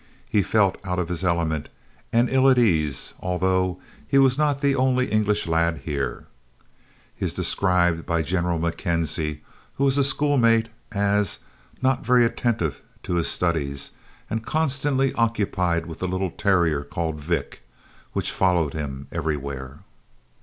He felt out of his element and ill at ease, although he was not the only English lad here. He is described by General Mackenzie, who was a schoolmate, as "not very attentive to his studies, and constantly occupied with a little terrier called Vick, which followed him everywhere."